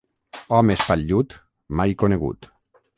Home espatllut, mai conegut.